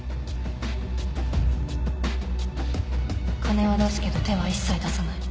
金は出すけど手は一切出さない